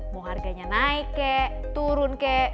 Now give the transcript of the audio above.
mau harganya naik kek turun kek